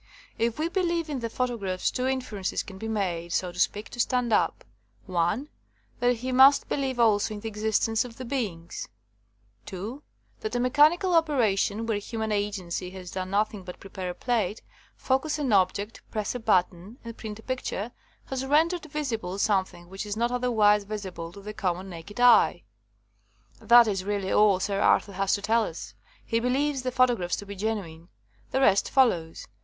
If he believes in the photographs two inferences can be made, so to speak, to stand up : one, that he must believe also in the existence of the beings; two, that a mechanical opera tion, where human agency has done nothing but prepare a plate, focus an object, press a button, and print a picture, has rendered visible something which is not otherwise visible to the common naked eye. That is really all Sir Arthur has to tell us. He be lieves the photographs to be genuine. The rest follows.